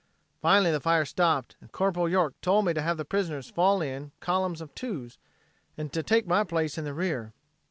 Finally the fire stopped and Corp. York told me to have the prisoners fall in columns of two's and take my place in the rear."